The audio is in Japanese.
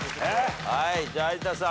じゃあ有田さん。